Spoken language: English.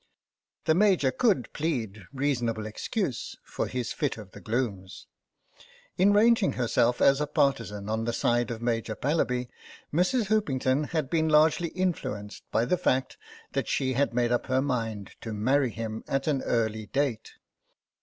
The Major could plead reasonable excuse for his fit of the glooms. 75 76 THE BAG In ranging herself as a partisan on the side of Major Pallaby Mrs. Hoopington had been largely influenced by the fact that she had made up her mind to marry him at an early date.